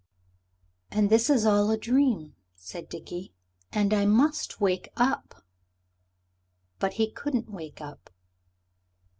"And this is all a dream," said Dickie, "and I must wake up." But he couldn't wake up.